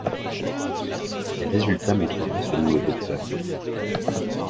Les résultats montreraient selon le Dr.